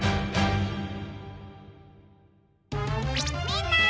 みんな！